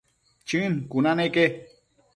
Chën cuna neque